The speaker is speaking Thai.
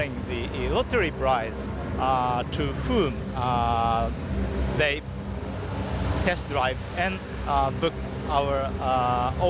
ในพวันตรีส่วนเชียวของพวกเรา